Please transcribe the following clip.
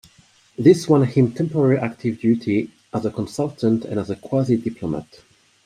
This won him temporary active duty as a consultant and as quasi-diplomat.